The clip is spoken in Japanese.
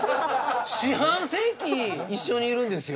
四半世紀一緒にいるんですよ。